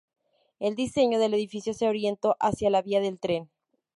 El diseño del edificio se orientó hacia la vía del tren.